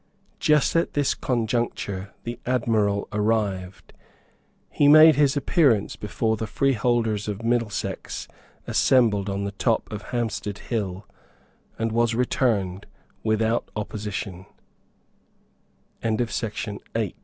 Just at this conjuncture the Admiral arrived. He made his appearance before the freeholders of Middlesex assembled on the top of Hampstead Hill, and was returned without oppositio